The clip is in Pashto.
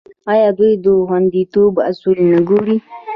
آیا دوی د خوندیتوب اصول نه ګوري؟